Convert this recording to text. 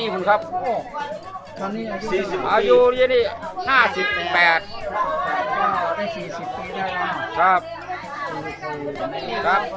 ปั่นครับปั่นหมดสินะครับ